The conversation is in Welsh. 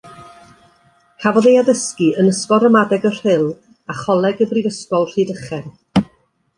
Cafodd ei addysgu yn Ysgol Ramadeg y Rhyl a Choleg y Brifysgol Rhydychen.